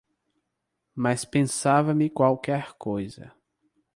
Mas pesava-me qualquer coisa